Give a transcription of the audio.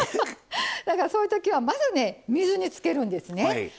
だからそういう時はまずね水につけるんですね。